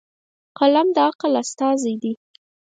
قلم د عقل استازی دی.